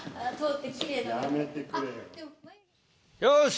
よし！